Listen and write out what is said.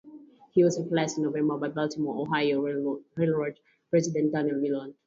He was replaced in November by Baltimore and Ohio Railroad president Daniel Willard.